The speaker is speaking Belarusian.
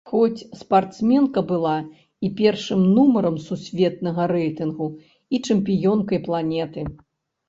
Хоць спартсменка была і першым нумарам сусветнага рэйтынгу і чэмпіёнкай планеты.